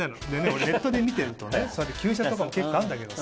俺ネットで見てるとね旧車とかも結構あるんだけどさ。